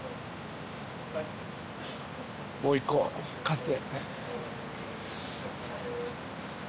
もう１個勝って。